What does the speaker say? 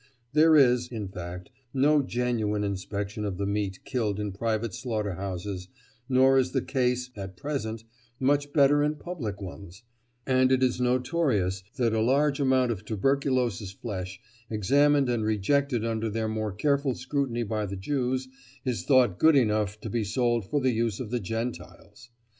There is, in fact, no genuine inspection of the meat killed in private slaughter houses, nor is the case (at present) much better in public ones, and it is notorious that a large amount of tuberculous flesh, examined and rejected under their more careful scrutiny by the Jews, is thought good enough to be sold for the use of the "Gentiles."